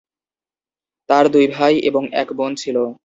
তার দুই ভাই এবং এক বোন ছিল।